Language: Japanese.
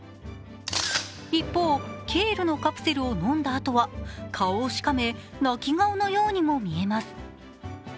一方、ケールのカプセルを飲んだあとは顔をしかめ泣き顔のようにも見えます。